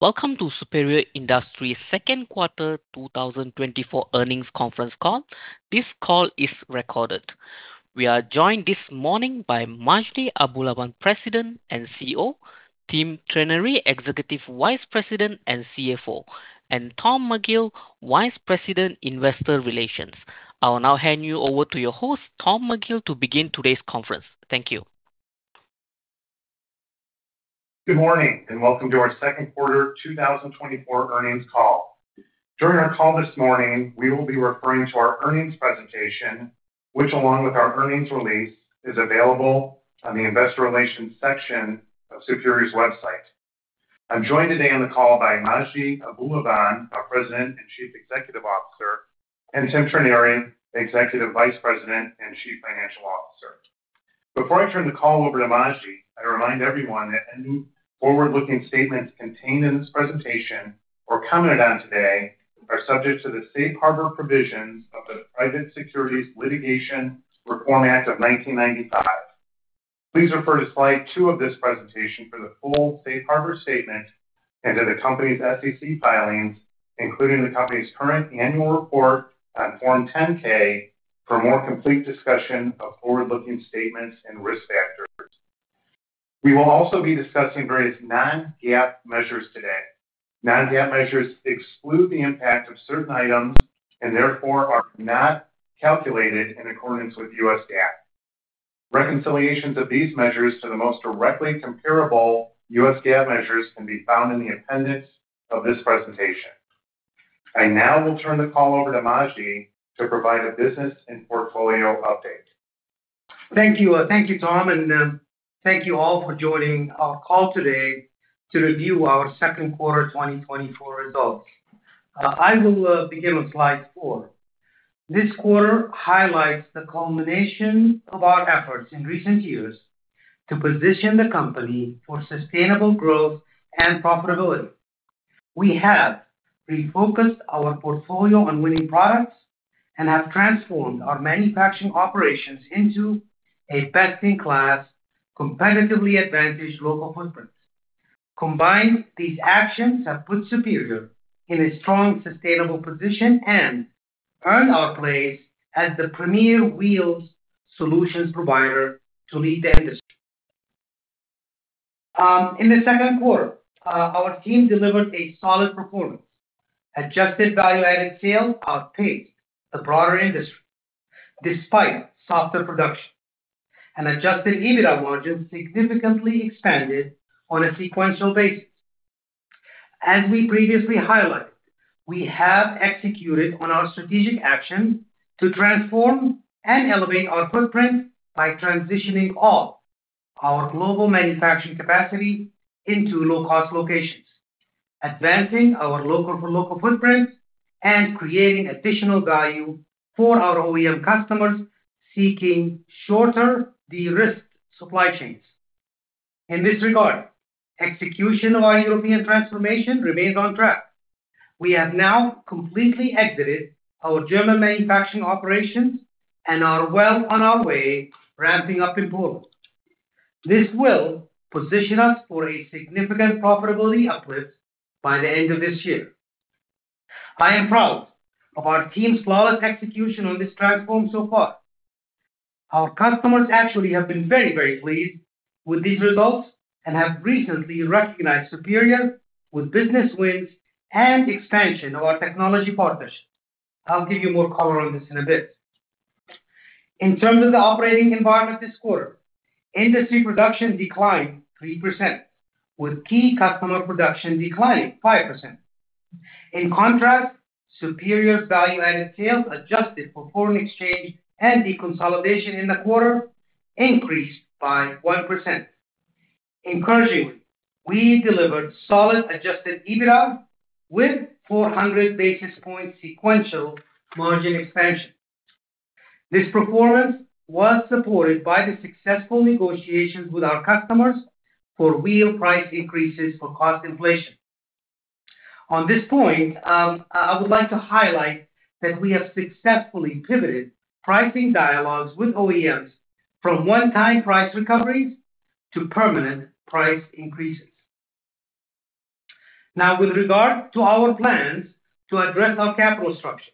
Welcome to Superior Industries' second quarter 2024 earnings conference call. This call is recorded. We are joined this morning by Majdi Abulaban, President and CEO, Tim Trenary, Executive Vice President and CFO, and Tom McGill, Vice President, Investor Relations. I will now hand you over to your host, Tom McGill, to begin today's conference. Thank you. Good morning, and welcome to our second quarter 2024 earnings call. During our call this morning, we will be referring to our earnings presentation, which along with our earnings release, is available on the investor relations section of Superior's website. I'm joined today on the call by Majdi Abulaban, our President and Chief Executive Officer, and Tim Trenary, Executive Vice President and Chief Financial Officer. Before I turn the call over to Majdi, I remind everyone that any forward-looking statements contained in this presentation or commented on today are subject to the Safe Harbor provisions of the Private Securities Litigation Reform Act of 1995. Please refer to slide two of this presentation for the full Safe Harbor statement and to the company's SEC filings, including the company's current annual report on Form 10-K for more complete discussion of forward-looking statements and risk factors. We will also be discussing various non-GAAP measures today. Non-GAAP measures exclude the impact of certain items and therefore are not calculated in accordance with U.S. GAAP. Reconciliations of these measures to the most directly comparable U.S. GAAP measures can be found in the appendix of this presentation. I now will turn the call over to Majdi to provide a business and portfolio update. Thank you. Thank you, Tom, and thank you all for joining our call today to review our second quarter 2024 results. I will begin on slide four. This quarter highlights the culmination of our efforts in recent years to position the company for sustainable growth and profitability. We have refocused our portfolio on winning products and have transformed our manufacturing operations into a best-in-class, competitively advantaged local footprint. Combined, these actions have put Superior in a strong, sustainable position and earned our place as the premier wheels solutions provider to lead the industry. In the second quarter, our team delivered a solid performance. Adjusted value-added sales outpaced the broader industry, despite softer production, and adjusted EBITDA margins significantly expanded on a sequential basis. As we previously highlighted, we have executed on our strategic actions to transform and elevate our footprint by transitioning all our global manufacturing capacity into low-cost locations, advancing our local-for-local footprint, and creating additional value for our OEM customers seeking shorter de-risked supply chains. In this regard, execution of our European transformation remains on track. We have now completely exited our German manufacturing operations and are well on our way ramping up in Poland. This will position us for a significant profitability uplift by the end of this year. I am proud of our team's flawless execution on this transform so far. Our customers actually have been very, very pleased with these results and have recently recognized Superior with business wins and expansion of our technology partnerships. I'll give you more color on this in a bit. In terms of the operating environment this quarter, industry production declined 3%, with key customer production declining 5%. In contrast, Superior's value-added sales, adjusted for foreign exchange and deconsolidation in the quarter, increased by 1%. Encouragingly, we delivered solid adjusted EBITDA with 400 basis point sequential margin expansion. This performance was supported by the successful negotiations with our customers for wheel price increases for cost inflation. On this point, I would like to highlight that we have successfully pivoted pricing dialogues with OEMs from one-time price recoveries to permanent price increases. Now, with regard to our plans to address our capital structure,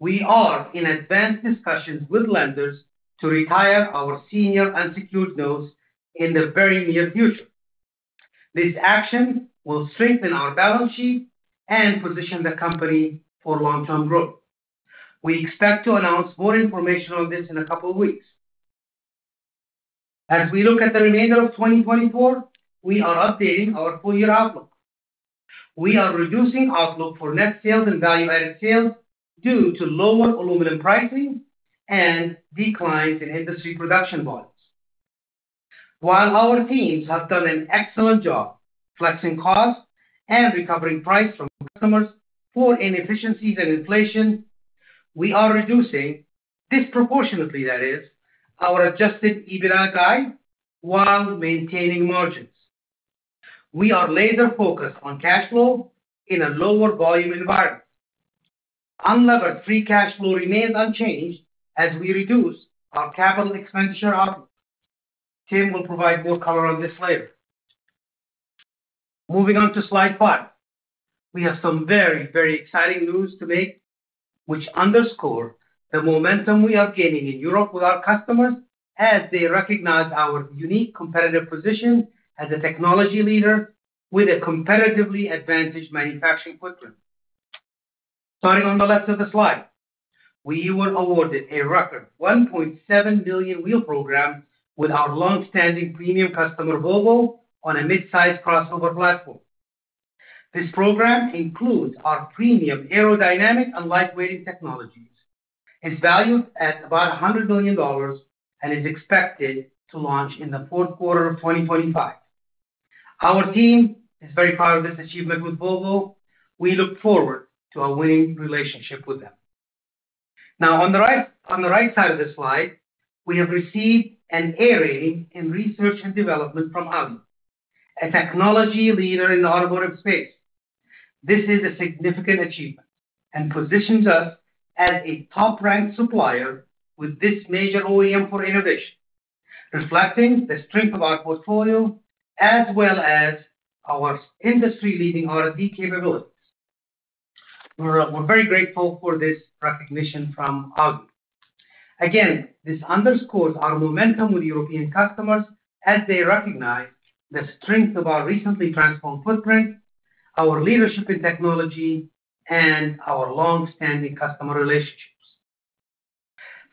we are in advanced discussions with lenders to retire our senior unsecured notes in the very near future. This action will strengthen our balance sheet and position the company for long-term growth. We expect to announce more information on this in a couple of weeks. As we look at the remainder of 2024, we are updating our full year outlook. We are reducing outlook for net sales and value-added sales due to lower aluminum pricing and declines in industry production volumes. While our teams have done an excellent job flexing costs and recovering price from customers for inefficiencies and inflation, we are reducing, disproportionately that is, our adjusted EBITDA guide while maintaining margins. We are laser-focused on cash flow in a lower volume environment. Unlevered free cash flow remains unchanged as we reduce our capital expenditure output. Tim will provide more color on this later. Moving on to slide five. We have some very, very exciting news to make, which underscore the momentum we are gaining in Europe with our customers as they recognize our unique competitive position as a technology leader with a competitively advantaged manufacturing footprint. Starting on the left of the slide, we were awarded a record 1.7 million wheel program with our long-standing premium customer, Volvo, on a mid-size crossover platform. This program includes our premium aerodynamic and lightweighting technologies. It's valued at about $100 million and is expected to launch in the fourth quarter of 2025. Our team is very proud of this achievement with Volvo. We look forward to a winning relationship with them. Now, on the right, on the right side of the slide, we have received an A-rating in research and development from Audi, a technology leader in the automotive space. This is a significant achievement and positions us as a top-ranked supplier with this major OEM for innovation, reflecting the strength of our portfolio as well as our industry-leading R&D capabilities. We're very grateful for this recognition from Audi. Again, this underscores our momentum with European customers as they recognize the strength of our recently transformed footprint, our leadership in technology, and our long-standing customer relationships.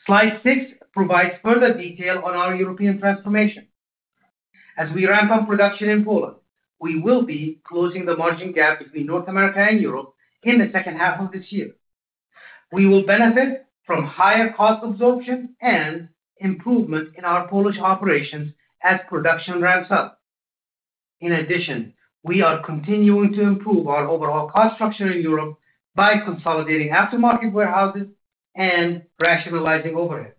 Slide six provides further detail on our European transformation. As we ramp up production in Poland, we will be closing the margin gap between North America and Europe in the second half of this year. We will benefit from higher cost absorption and improvement in our Polish operations as production ramps up. In addition, we are continuing to improve our overall cost structure in Europe by consolidating aftermarket warehouses and rationalizing overhead.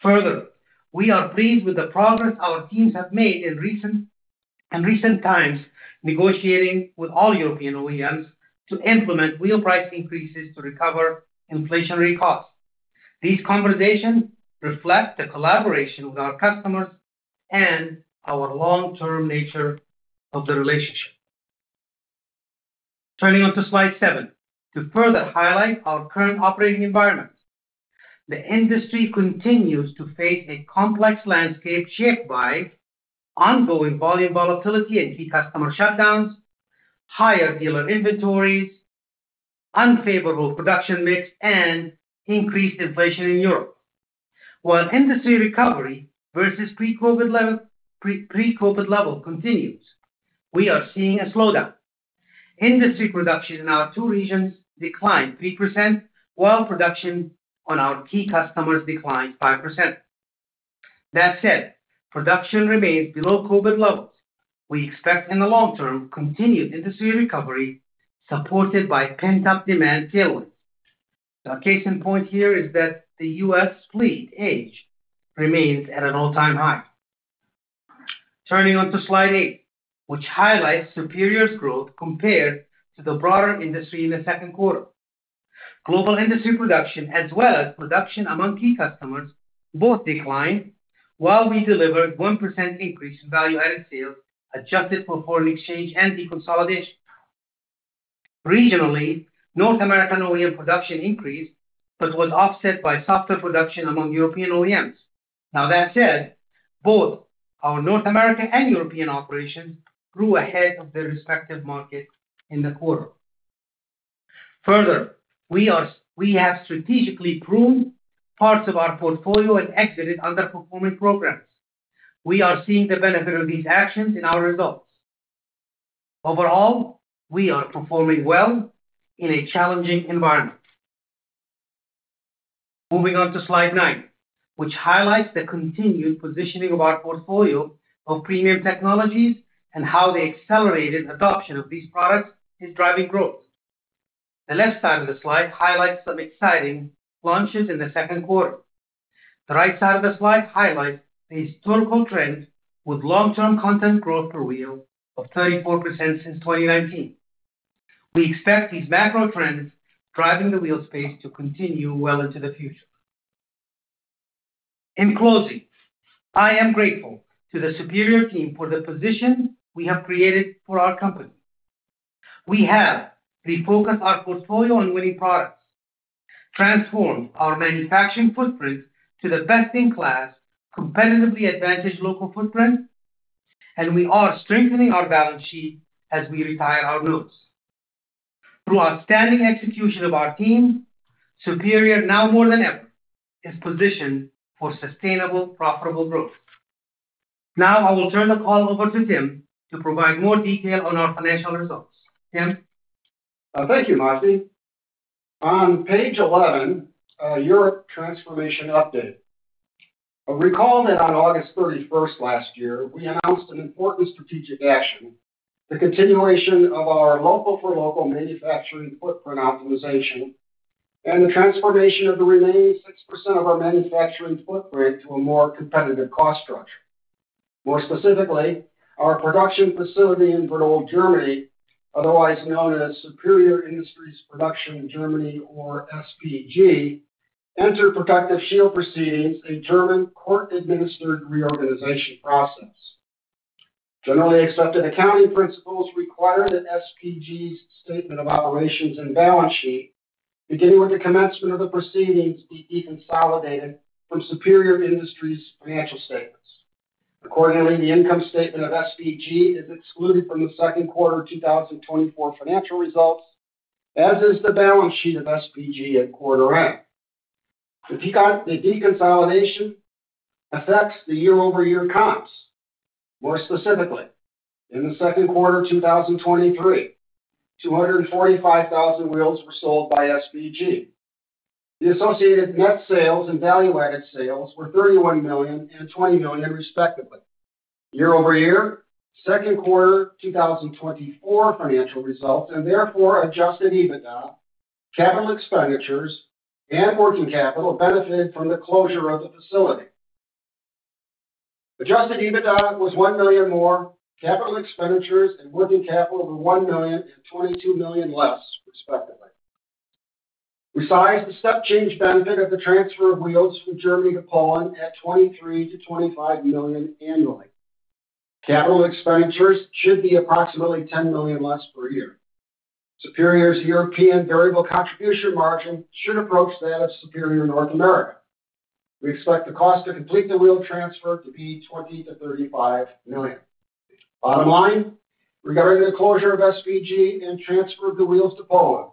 Further, we are pleased with the progress our teams have made in recent times, negotiating with all European OEMs to implement wheel price increases to recover inflationary costs. These conversations reflect the collaboration with our customers and our long-term nature of the relationship. Turning to slide seven. To further highlight our current operating environment, the industry continues to face a complex landscape shaped by ongoing volume volatility and key customer shutdowns, higher dealer inventories, unfavorable production mix, and increased inflation in Europe. While industry recovery versus pre-COVID levels continues, we are seeing a slowdown. Industry production in our two regions declined 3%, while production on our key customers declined 5%. That said, production remains below COVID levels. We expect, in the long term, continued industry recovery, supported by pent-up demand tailwind. The case in point here is that the U.S. fleet age remains at an all-time high. Turning to slide eight, which highlights Superior's growth compared to the broader industry in the second quarter. Global industry production, as well as production among key customers, both declined, while we delivered 1% increase in value-added sales, adjusted for foreign exchange and deconsolidation. Regionally, North American OEM production increased, but was offset by softer production among European OEMs. Now, that said, both our North American and European operations grew ahead of their respective markets in the quarter. Further, we have strategically pruned parts of our portfolio and exited underperforming programs. We are seeing the benefit of these actions in our results. Overall, we are performing well in a challenging environment. Moving on to slide nine, which highlights the continued positioning of our portfolio of premium technologies and how the accelerated adoption of these products is driving growth. The left side of the slide highlights some exciting launches in the second quarter. The right side of the slide highlights the historical trend with long-term content growth per wheel of 34% since 2019. We expect these macro trends driving the wheel space to continue well into the future. In closing, I am grateful to the Superior team for the position we have created for our company. We have refocused our portfolio on winning products, transformed our manufacturing footprint to the best-in-class, competitively advantaged local footprint, and we are strengthening our balance sheet as we retire our notes. Through outstanding execution of our team, Superior now more than ever, is positioned for sustainable, profitable growth. Now, I will turn the call over to Tim to provide more detail on our financial results. Tim? Thank you, Majdi. On page 11, Europe transformation update. Recall that on August 31 last year, we announced an important strategic action, the continuation of our local-for-local manufacturing footprint optimization, and the transformation of the remaining 6% of our manufacturing footprint to a more competitive cost structure. More specifically, our production facility in Werdohl, Germany, otherwise known as Superior Industries Production Germany, or SPG, entered protective shield proceedings, a German court-administered reorganization process. Generally Accepted Accounting Principles require that SPG's statement of operations and balance sheet, beginning with the commencement of the proceedings, be deconsolidated from Superior Industries' financial statements. Accordingly, the income statement of SPG is excluded from the second quarter of 2024 financial results, as is the balance sheet of SPG at quarter end. The deconsolidation affects the year-over-year comps. More specifically, in the second quarter of 2023, 245,000 wheels were sold by SPG. The associated net sales and value-added sales were $31 million and $20 million, respectively. Year-over-year, second quarter 2024 financial results, and therefore adjusted EBITDA, capital expenditures, and working capital, benefited from the closure of the facility. Adjusted EBITDA was $1 million more. Capital expenditures and working capital were $1 million and $22 million less, respectively. We size the step change benefit of the transfer of wheels from Germany to Poland at $23 million-$25 million annually. Capital expenditures should be approximately $10 million less per year. Superior's European variable contribution margin should approach that of Superior North America. We expect the cost to complete the wheel transfer to be $20 million-$35 million. Bottom line, regarding the closure of SPG and transfer of the wheels to Poland,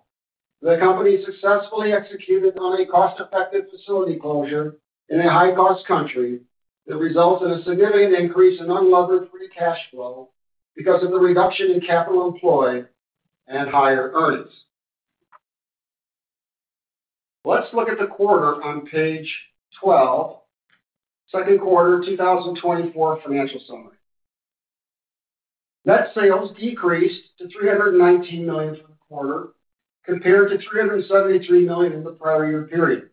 the company successfully executed on a cost-effective facility closure in a high-cost country that results in a significant increase in unlevered free cash flow because of the reduction in capital employed and higher earnings. Let's look at the quarter on page 12, second quarter 2024 financial summary. Net sales decreased to $319 million for the quarter, compared to $373 million in the prior year period.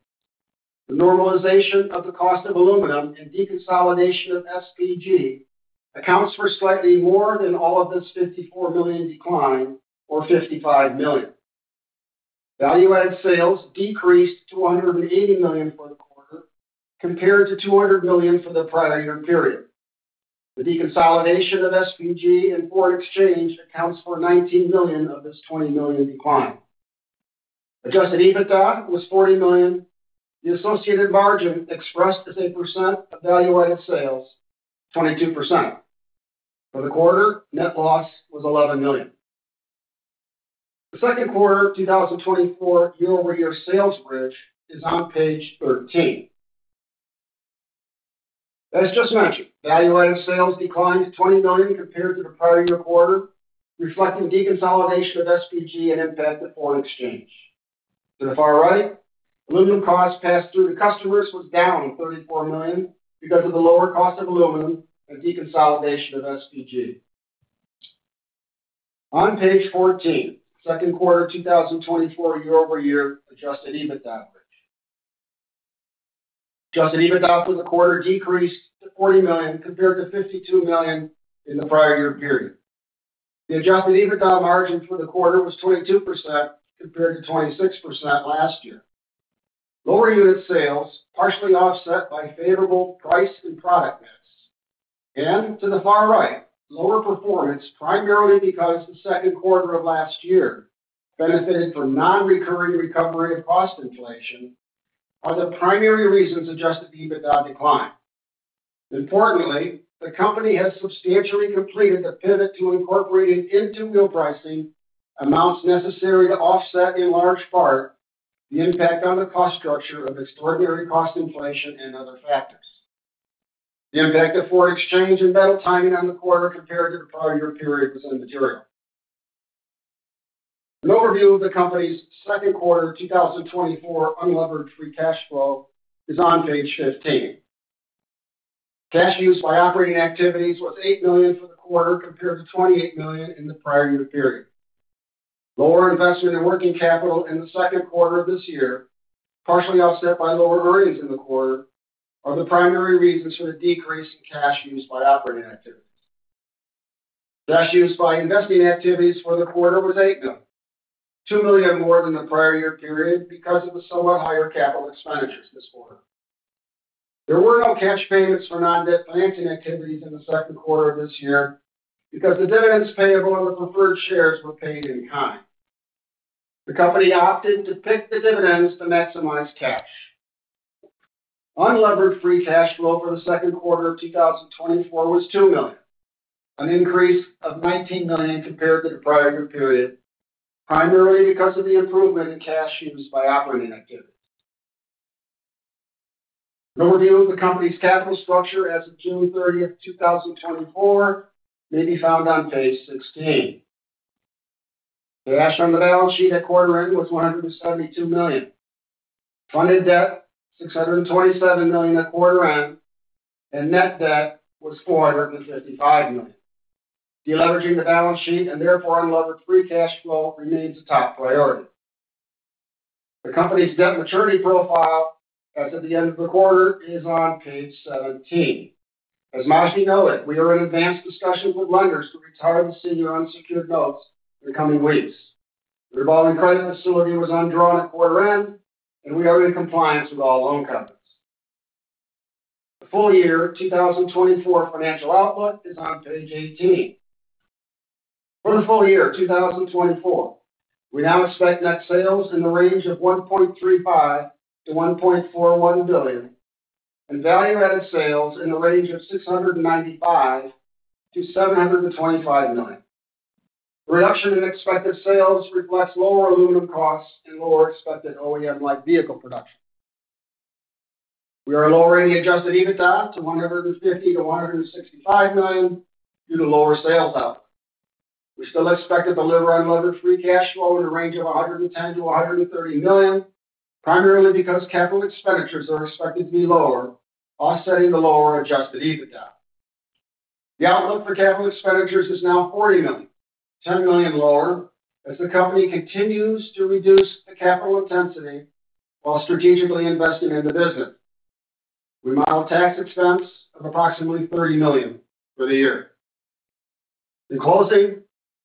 The normalization of the cost of aluminum and deconsolidation of SPG accounts for slightly more than all of this $54 million decline, or $55 million. Value-added sales decreased to $180 million for the quarter, compared to $200 million for the prior year period. The deconsolidation of SPG and foreign exchange accounts for $19 million of this $20 million decline. Adjusted EBITDA was $40 million. The associated margin, expressed as a percent of value-added sales, 22%. For the quarter, net loss was $11 million. The second quarter of 2024 year-over-year sales bridge is on page 13. As just mentioned, value-added sales declined to $20 million compared to the prior year quarter, reflecting deconsolidation of SPG and impact of foreign exchange. To the far right, aluminum cost passed through to customers was down $34 million because of the lower cost of aluminum and deconsolidation of SPG. On page 14, second quarter 2024 year-over-year adjusted EBITDA bridge. Adjusted EBITDA for the quarter decreased to $40 million, compared to $52 million in the prior year period. The adjusted EBITDA margin for the quarter was 22%, compared to 26% last year. Lower unit sales, partially offset by favorable price and product mix, and to the far right, lower performance, primarily because the second quarter of last year benefited from non-recurring recovery and cost inflation, are the primary reasons adjusted EBITDA declined. Importantly, the company has substantially completed the pivot to incorporating into wheel pricing amounts necessary to offset, in large part, the impact on the cost structure of extraordinary cost inflation and other factors. The impact of foreign exchange and metal timing on the quarter compared to the prior year period was immaterial. An overview of the company's second quarter 2024 unlevered free cash flow is on page 15. Cash use by operating activities was $8 million for the quarter, compared to $28 million in the prior year period. Lower investment in working capital in the second quarter of this year, partially offset by lower earnings in the quarter, are the primary reasons for the decrease in cash used by operating activities. Cash used by investing activities for the quarter was $8 million, $2 million more than the prior year period because of the somewhat higher capital expenditures this quarter. There were no cash payments for non-debt financing activities in the second quarter of this year because the dividends payable on the preferred shares were paid in kind. The company opted to PIK the dividends to maximize cash. Unlevered free cash flow for the second quarter of 2024 was $2 million, an increase of $19 million compared to the prior year period, primarily because of the improvement in cash used by operating activities. An overview of the company's capital structure as of June 30, 2024, may be found on page 16. The cash on the balance sheet at quarter end was $172 million. Funded debt, $627 million at quarter end, and net debt was $455 million. Deleveraging the balance sheet and therefore unlevered free cash flow remains a top priority. The company's debt maturity profile, as at the end of the quarter, is on page 17. As you know, we are in advanced discussions with lenders to retire the senior unsecured notes in the coming weeks. The revolving credit facility was undrawn at quarter end, and we are in compliance with all loan covenants. The full year 2024 financial outlook is on page 18. For the full year 2024, we now expect net sales in the range of $1.35 billion-$1.41 billion, and value-added sales in the range of $695 million-$725 million. The reduction in expected sales reflects lower aluminum costs and lower expected OEM light vehicle production. We are lowering the Adjusted EBITDA to $150 million-$165 million due to lower sales output. We still expect to deliver unlevered free cash flow in a range of $110 million-$130 million, primarily because capital expenditures are expected to be lower, offsetting the lower adjusted EBITDA. The outlook for capital expenditures is now $40 million, $10 million lower, as the company continues to reduce the capital intensity while strategically investing in the business. We model tax expense of approximately $30 million for the year. In closing,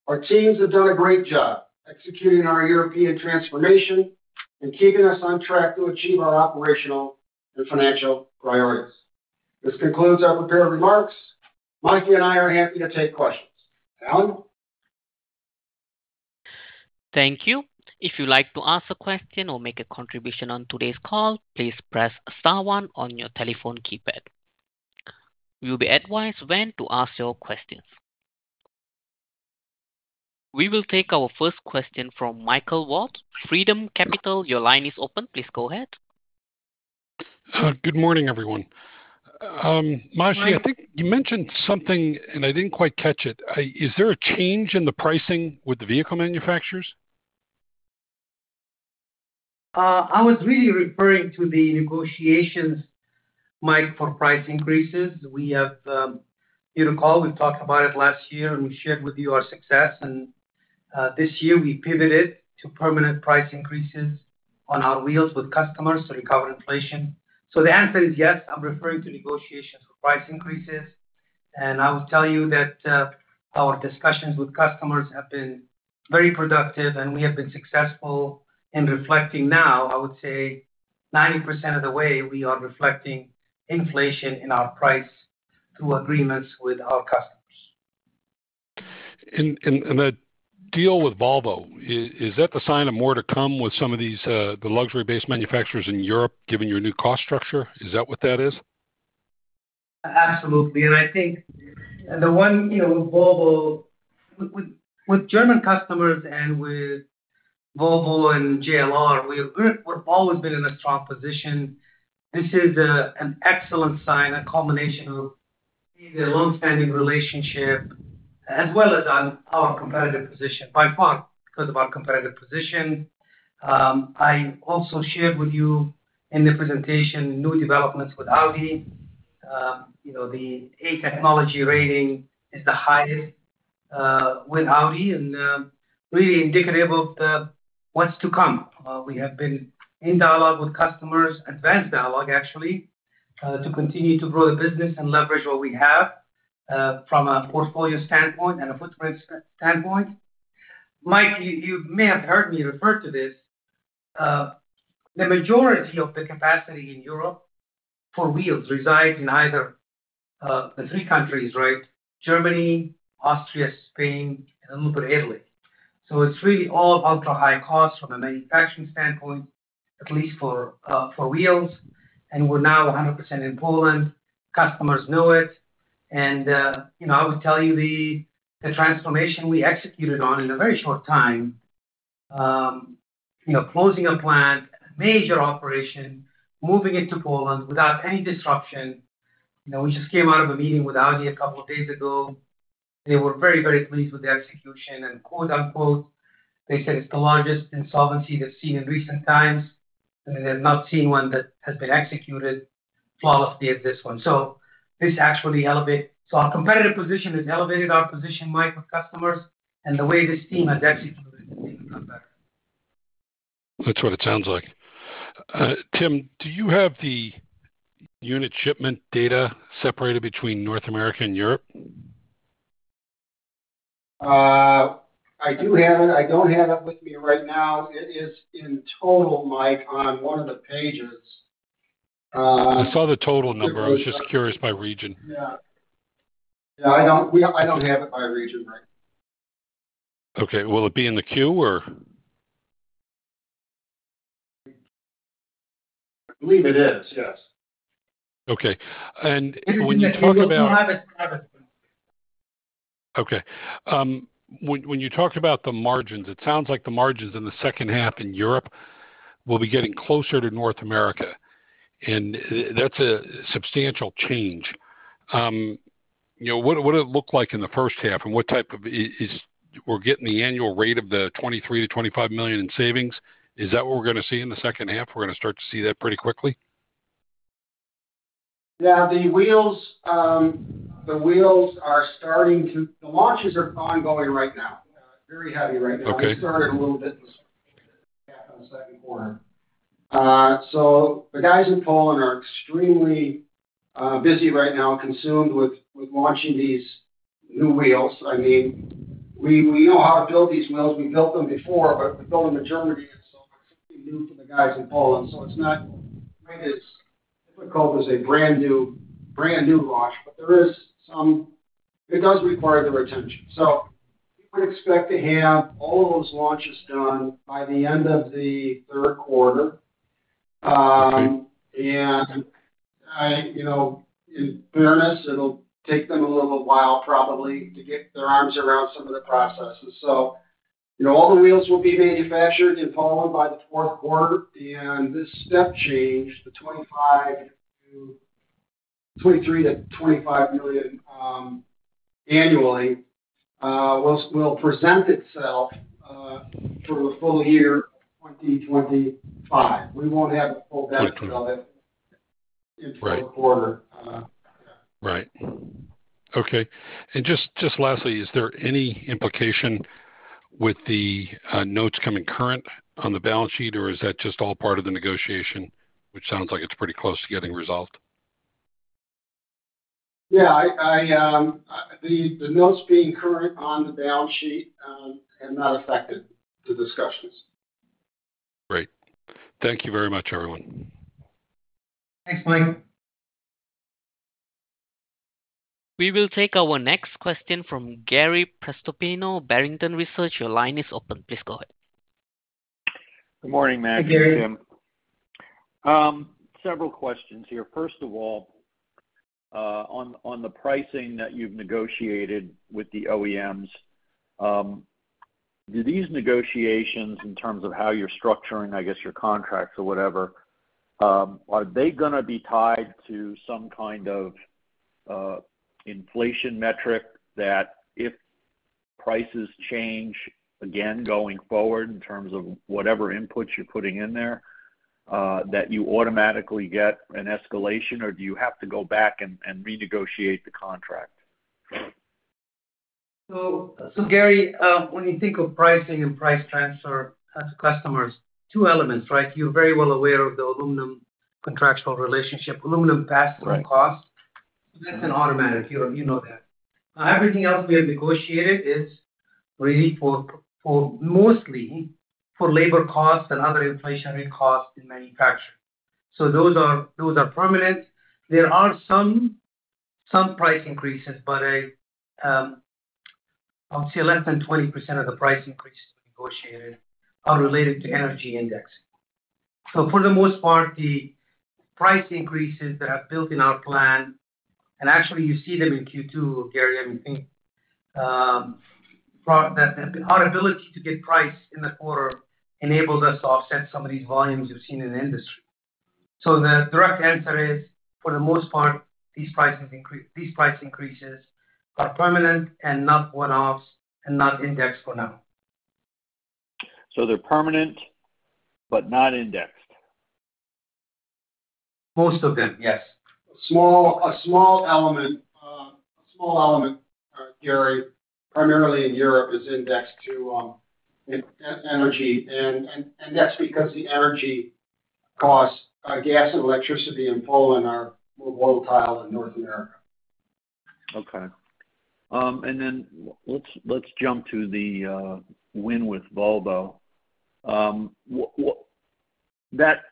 our teams have done a great job executing our European transformation and keeping us on track to achieve our operational and financial priorities. This concludes our prepared remarks. Majdi and I are happy to take questions. Alan? Thank you. If you'd like to ask a question or make a contribution on today's call, please press star one on your telephone keypad. You'll be advised when to ask your questions. We will take our first question from Michael Ward, Freedom Capital. Your line is open. Please go ahead. Good morning, everyone. Majdi, I think you mentioned something, and I didn't quite catch it. Is there a change in the pricing with the vehicle manufacturers? I was really referring to the negotiations, Mike, for price increases. We have, you recall, we talked about it last year, and we shared with you our success, and, this year, we pivoted to permanent price increases on our wheels with customers to recover inflation. So the answer is yes, I'm referring to negotiations for price increases, and I will tell you that, our discussions with customers have been very productive, and we have been successful in reflecting now, I would say, 90% of the way we are reflecting inflation in our price through agreements with our customers. In the deal with Volvo, is that the sign of more to come with some of these, the luxury-based manufacturers in Europe, given your new cost structure? Is that what that is? Absolutely. And I think the one, you know, Volvo with German customers and with Volvo and JLR, we've always been in a strong position. This is an excellent sign, a combination of the long-standing relationship, as well as our competitive position. By far, because of our competitive position. I also shared with you in the presentation, new developments with Audi. You know, the A technology rating is the highest with Audi, and really indicative of what's to come. We have been in dialogue with customers, advanced dialogue, actually, to continue to grow the business and leverage what we have from a portfolio standpoint and a footprint standpoint. Mike, you may have heard me refer to this. The majority of the capacity in Europe for wheels resides in either the three countries, right? Germany, Austria, Spain, and a little bit Italy. So it's really all ultrahigh costs from a manufacturing standpoint, at least for, for wheels, and we're now 100% in Poland. Customers know it, and, you know, I would tell you the, the transformation we executed on in a very short time, you know, closing a plant, a major operation, moving it to Poland without any disruption. You know, we just came out of a meeting with Audi a couple of days ago. They were very, very pleased with the execution and "they said it's the largest insolvency they've seen in recent times", and they've not seen one that has been executed flawlessly as this one. So this actually elevates. So our competitive position has elevated our position, Mike, with customers, and the way this team has executed has been better. That's what it sounds like. Tim, do you have the unit shipment data separated between North America and Europe? I do have it. I don't have it with me right now. It is in total, Mike, on one of the pages. I saw the total number. I was just curious by region. Yeah. Yeah, I don't have it by region, Mike. Okay. Will it be in the queue, or? I believe it is, yes. Okay. And when you talk about- We don't have it. Okay. When you talked about the margins, it sounds like the margins in the second half in Europe will be getting closer to North America, and that's a substantial change. You know, what did it look like in the first half. We're getting the annual rate of the $23 million-$25 million in savings. Is that what we're gonna see in the second half? We're gonna start to see that pretty quickly? Yeah. The launches are ongoing right now, very heavy right now. Okay. We started a little bit in the second quarter. So the guys in Poland are extremely busy right now, consumed with launching these new wheels. I mean, we know how to build these wheels. We've built them before, but we built them in Germany, and so it's something new for the guys in Poland. So it's not quite as difficult as a brand new launch, but there is some. It does require their attention. So we expect to have all of those launches done by the end of the third quarter. Okay. In fairness, it'll take them a little while probably to get their arms around some of the processes. So, you know, all the wheels will be manufactured in Poland by the fourth quarter, and this step change, the $23 million-$25 million annually, will present itself through the full year of 2025. We won't have the full benefit of it into the fourth quarter. Right. Okay. And just, just lastly, is there any implication with the notes coming current on the balance sheet, or is that just all part of the negotiation, which sounds like it's pretty close to getting resolved? Yeah, the notes being current on the balance sheet have not affected the discussions. Great. Thank you very much, everyone. Thanks, Mike. We will take our next question from Gary Prestopino, Barrington Research. Your line is open. Please go ahead. Good morning, Majdi and Tim. Hey, Gary. Several questions here. First of all, on the pricing that you've negotiated with the OEMs, do these negotiations, in terms of how you're structuring, I guess, your contracts or whatever, are they gonna be tied to some kind of inflation metric that if prices change again going forward in terms of whatever inputs you're putting in there, that you automatically get an escalation, or do you have to go back and renegotiate the contract? So, Gary, when you think of pricing and price transfer to customers, two elements, right? You're very well aware of the aluminum contractual relationship. Aluminum passes on cost. That's an automatic, you know that. Everything else we have negotiated is really for mostly for labor costs and other inflationary costs in manufacturing. So those are permanent. There are some price increases, but I'll say less than 20% of the price increases negotiated are related to energy index. So for the most part, the price increases that are built in our plan, and actually you see them in Q2, Gary, and I think that our ability to get price in the quarter enables us to offset some of these volumes you've seen in the industry. So the direct answer is, for the most part, these price increases are permanent and not one-offs and not indexed for now. They're permanent, but not indexed? Most of them, yes. A small element, Gary, primarily in Europe, is indexed to energy, and that's because the energy costs, gas and electricity in Poland are more volatile than North America. Okay. Let's jump to the win with Volvo. The data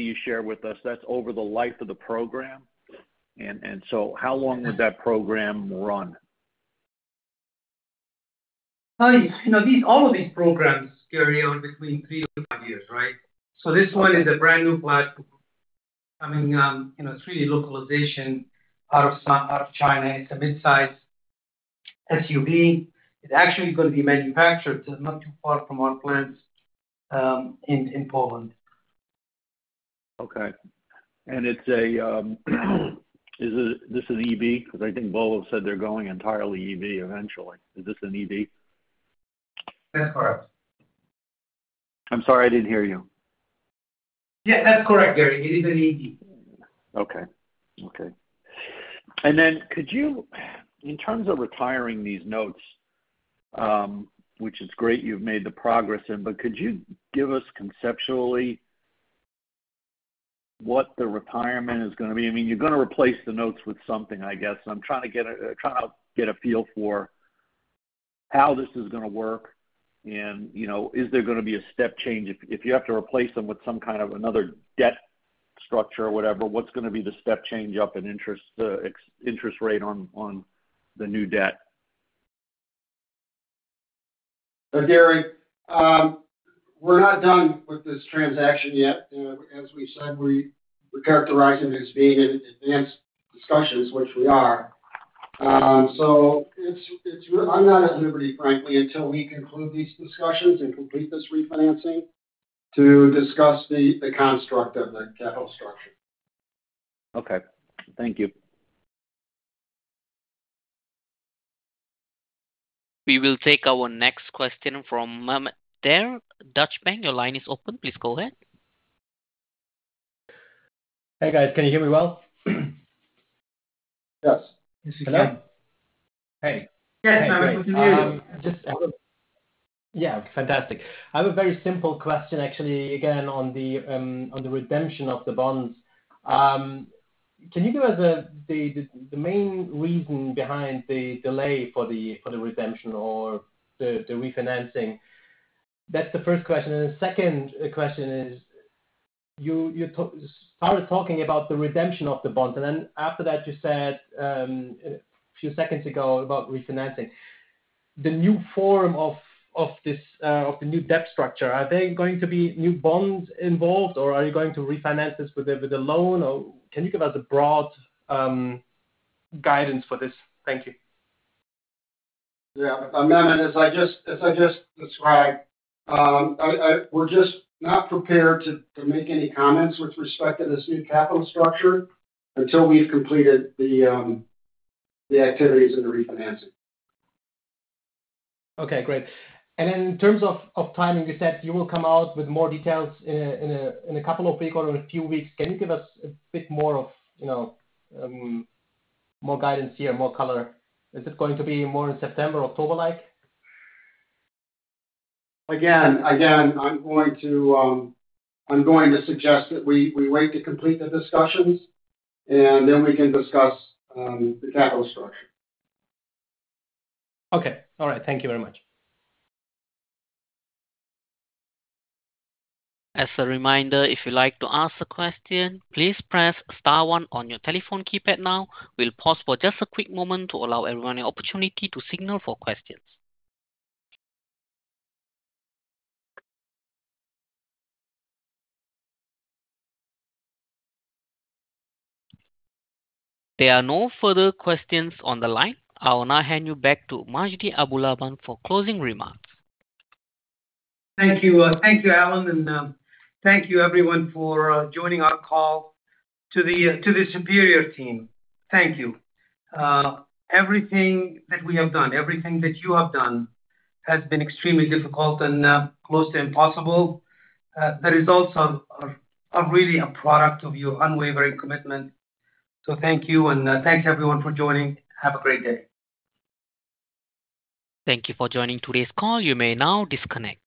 you shared with us, that's over the life of the program. And so how long would that program run? You know, these, all of these programs, Gary, are between 3-5 years, right? So this one is a brand-new platform coming, you know, through the localization out of China. It's a midsize SUV. It's actually gonna be manufactured not too far from our plants, in Poland. Okay. I think Volvo said they're going entirely EV eventually. Is this an EV? Yeah, that's correct, Gary. It is an EV. Okay. In terms of retiring these notes, which is great, you've made the progress in, but could you give us conceptually what the retirement is gonna be? I mean, you're gonna replace the notes with something, I guess. I'm trying to get a feel for how this is gonna work and, you know, is there gonna be a step change? If you have to replace them with another debt structure or whatever, what's gonna be the step change up in interest rate on the new debt? Gary, we're not done with this transaction yet. As we said, we characterize it as being in advanced discussions, which we are. So, I'm not at liberty, frankly, until we conclude these discussions and complete this refinancing to discuss the capital structure. Okay. Thank you. We will take our next question from Mehmet Dere, Deutsche Bank. Your line is open, please go ahead. Hey, guys, can you hear me well? Yes. Hello? Hey. Yes, great to hear you. Yeah, fantastic. I have a very simple question, actually, again, on the redemption of the bonds. Can you give us the main reason behind the delay for the redemption or the refinancing? That's the first question. And the second question is, you started talking about the redemption of the bond, and then after that, you said a few seconds ago about refinancing. The new form of this new debt structure, are there going to be new bonds involved, or are you going to refinance this with a loan? Or can you give us a broad guidance for this? Thank you. Yeah. Mehmet, as I just described, we're just not prepared to make any comments with respect to this new capital structure until we've completed the activities and the refinancing. Great. And then in terms of timing, you said you will come out with more details in a couple of weeks or in a few weeks. Can you give us a bit more of, you know, more guidance here, more color? Is this going to be more in September, October, like? Again, I'm going to suggest that we wait to complete the discussions, and then we can discuss the capital structure. Okay, all right. Thank you very much. As a reminder, if you'd like to ask a question, please press star one on your telephone keypad now. We'll pause for just a quick moment to allow everyone an opportunity to signal for questions. There are no further questions on the line. I will now hand you back to Majdi Abulaban for closing remarks. Thank you, Alan, and thank you everyone for joining our call. To the Superior team, thank you. Everything that we have done, everything that you have done has been extremely difficult and close to impossible. The results are really a product of your unwavering commitment, so thank you, and thanks everyone for joining. Have a great day. Thank you for joining today's call. You may now disconnect.